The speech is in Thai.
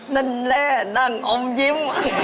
นั่นแหละนั่นอมยิ้ม